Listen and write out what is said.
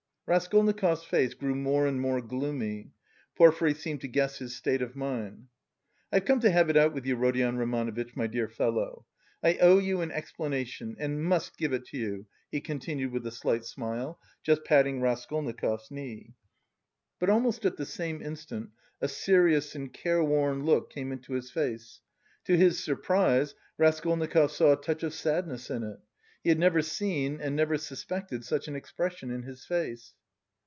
Raskolnikov's face grew more and more gloomy. Porfiry seemed to guess his state of mind. "I've come to have it out with you, Rodion Romanovitch, my dear fellow! I owe you an explanation and must give it to you," he continued with a slight smile, just patting Raskolnikov's knee. But almost at the same instant a serious and careworn look came into his face; to his surprise Raskolnikov saw a touch of sadness in it. He had never seen and never suspected such an expression in his face.